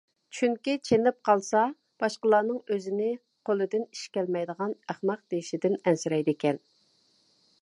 چۈنكى، چېنىپ قالسا باشقىلارنىڭ ئۆزىنى قولىدىن ئىش كەلمەيدىغان ئەخمەق دېيىشىدىن ئەنسىرەيدىكەن.